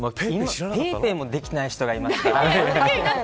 ＰａｙＰａｙもできてない人がいますから。